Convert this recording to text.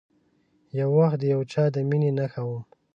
یو وخت د یو چا د میینې نښه وم